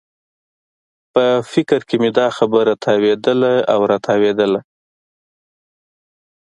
په فکر کې مې دا خبره تاوېدله او راتاوېدله.